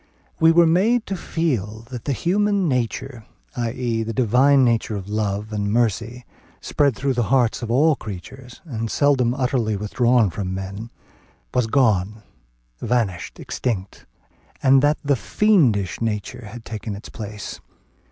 We were to be made to feel that the human nature, i.e., the divine nature of love and mercy, spread through the hearts of all creatures, and seldom utterly withdrawn from man, was gone, vanished, extinct; and that the fiendish nature had taken its place.